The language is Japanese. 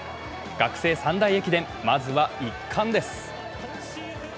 学生三大駅伝、まずは１冠です。